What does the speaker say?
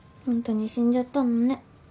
ホントに死んじゃったのね